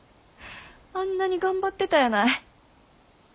あんなに頑張ってたやない。